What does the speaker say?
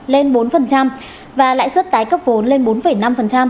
lên bốn và lãi suất tái cấp vốn lên bốn năm